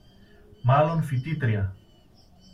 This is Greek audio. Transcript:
Μάλλον φοιτήτρια